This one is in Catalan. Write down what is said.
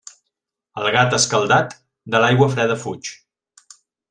El gat escaldat, de l'aigua freda fuig.